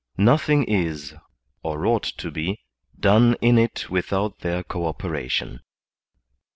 Nothing is, or ought to be, done in it without their co operation.